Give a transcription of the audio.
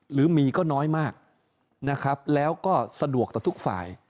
หรือมีก็น้อยมากนะครับแล้วก็สะดวกต่อทุกฝ่าย